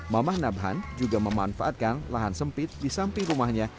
mamah nabhan juga memanfaatkan lahan sempit di samping rumahnya